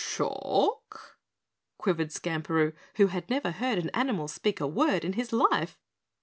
"Cha lk?" quavered Skamperoo, who had never heard an animal speak a word in his life.